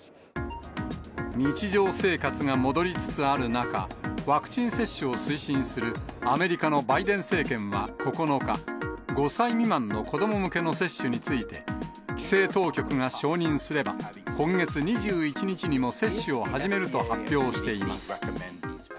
日常生活が戻りつつある中、ワクチン接種を推進するアメリカのバイデン政権は９日、５歳未満の子ども向けの接種について、規制当局が承認すれば、今月２１日にも接種を始めると発表しています。